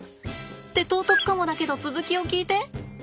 って唐突かもだけど続きを聞いて！